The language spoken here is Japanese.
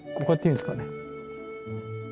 こうやっていいんですかね。